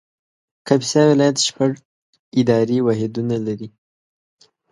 کاپیسا ولایت شپږ اداري واحدونه لري